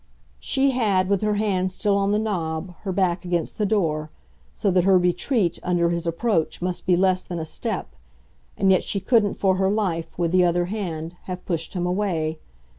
She had, with her hand still on the knob, her back against the door, so that her retreat, under his approach must be less than a step, and yet she couldn't for her life, with the other hand, have pushed him away.